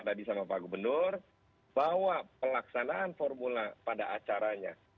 tadi sama pak gubernur bahwa pelaksanaan formula pada acaranya